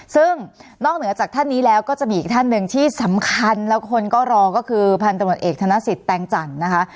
ซึ่งนอกเหนือจากท่านนี้แล้วก็จะมีอีกท่านหนึ่งที่สำคัญแล้วคนก็รอก็คือพันตำรวจเอกธนสิทธิแตงจันทร์นะคะ